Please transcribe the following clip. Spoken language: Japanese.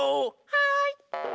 はい。